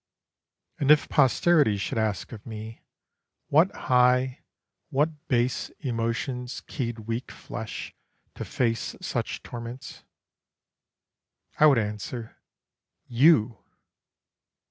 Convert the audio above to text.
And if posterity should ask of me What high, what base emotions keyed weak flesh To face such torments, I would answer: "_You!